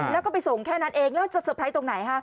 แล้วก็ไปส่งแค่นั้นเองแล้วจะเตอร์ไพรส์ตรงไหนฮะ